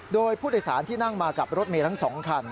โดยผู้โดยสารที่นั่งมากับรถเมย์ทั้ง๒คัน